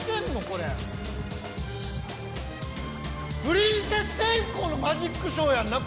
これプリンセス天功のマジックショーやんな？